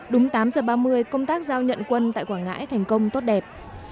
đúng tám giờ ba mươi công tác giao nhận quân tại quảng ngãi thành công tốt đẹp